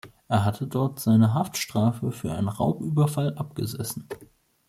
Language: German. Er hatte dort seine Haftstrafe für einen Raubüberfall abgesessen.